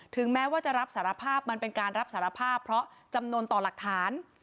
แม้ว่าจะรับสารภาพมันเป็นการรับสารภาพเพราะจำนวนต่อหลักฐาน